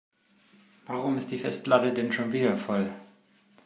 Warum ist die Festplatte denn schon wieder voll?